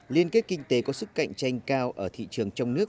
liên kết kinh tế có sức cạnh tranh cao ở thị trường trong nước